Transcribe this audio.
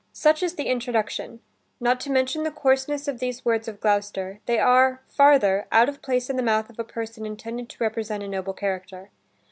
Such is the introduction. Not to mention the coarseness of these words of Gloucester, they are, farther, out of place in the mouth of a person intended to represent a noble character.